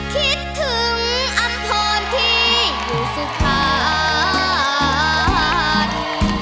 คิดถึงอัมพลที่อยู่สุภาค